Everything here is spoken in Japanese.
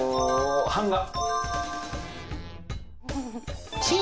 版画。